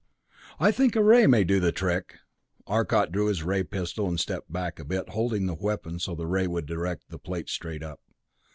"I think a ray may do the trick." Arcot drew his ray pistol, and stepped back a bit, holding the weapon so the ray would direct the plate straight up.